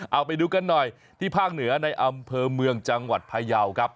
เอาไปดูกันหน่อยที่ภาคเหนือในอำเภอเมืองจังหวัดพยาวครับ